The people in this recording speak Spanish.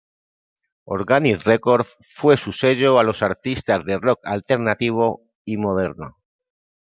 Organic Records fue su sello a los artistas de rock alternativo y moderno.